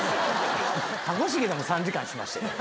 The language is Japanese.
「たこしげ」でも３時間しましたよ。